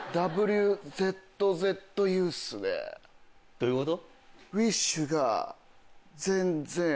どういうこと？